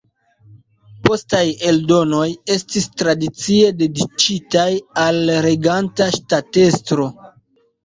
Postaj eldonoj estis tradicie dediĉitaj al la reganta ŝtatestro.